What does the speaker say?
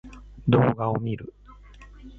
動画を見る